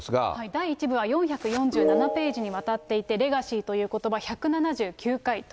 第１部は４４７ページにわたっていて、レガシーということば、第２部。